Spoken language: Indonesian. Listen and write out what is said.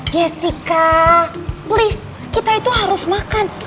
jessica buris kita itu harus makan